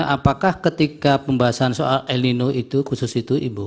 apakah ketika pembahasan soal el nino itu khusus itu ibu